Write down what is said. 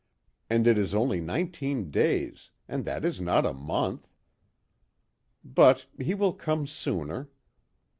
And it is only nineteen days, and that is not a month. But, he will come sooner!"